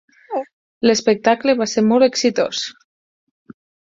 L'espectacle va ser molt exitós.